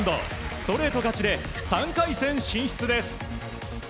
ストレート勝ちで３回戦進出です。